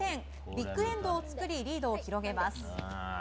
ビッグエンドを作りリードを広げます。